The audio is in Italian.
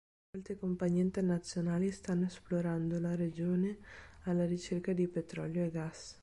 Molte compagnie internazionali stanno esplorando la regione alla ricerca di petrolio e gas.